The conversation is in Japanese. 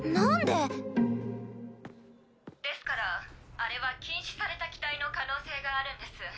ですからあれは禁止された機体の可能性があるんです。